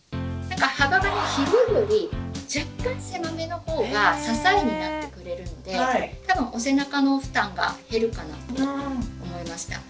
幅が広いより若干狭めの方が支えになってくれるので多分お背中の負担が減るかなと思いました。